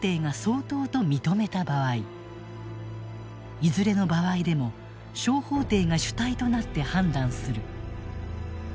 いずれの場合でも小法廷が主体となって判断する。